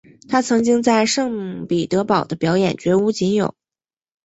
她曾经在圣彼得堡的表演绝无仅有。